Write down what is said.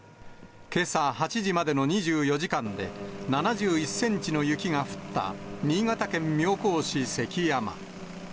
けさ８時までの２４時間で、７１センチの雪が降った新潟県妙高市関山。